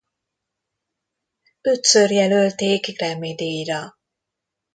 Ötször jelölték Grammy-díjra.